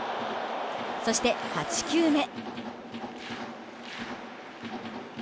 そして、８球目。